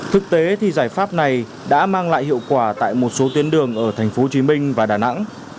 thực tế thì giải pháp này đã mang lại hiệu quả tại một số tuyến đường ở tp hcm và đà nẵng